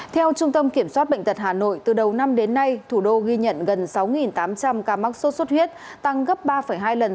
theo trung tâm kiểm soát bệnh tật hà nội từ đầu năm đến nay thủ đô ghi nhận gần sáu tám trăm linh ca mắc sốt xuất huyết tăng gấp ba hai lần